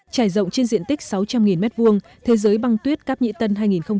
trải rộng trên diện tích sáu trăm linh m hai thế giới băng tuyết cáp nhĩ tân hai nghìn một mươi chín